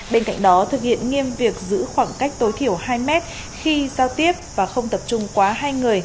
bên cạnh đó thực hiện nghiêm việc giữ khoảng cách tối thiểu hai mét khi giao tiếp và không tập trung quá hai người